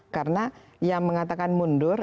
karena yang mengatakan mundur